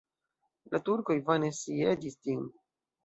La turkoj vane sieĝis ĝin.